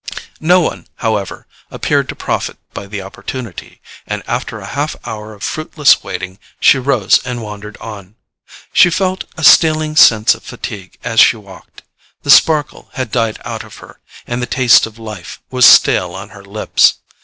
No one, however, appeared to profit by the opportunity; and after a half hour of fruitless waiting she rose and wandered on. She felt a stealing sense of fatigue as she walked; the sparkle had died out of her, and the taste of life was stale on her lips.